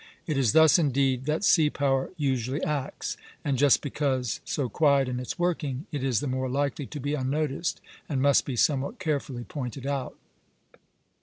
It is thus indeed that sea power usually acts, and just because so quiet in its working, it is the more likely to be unnoticed and must be somewhat carefully pointed out.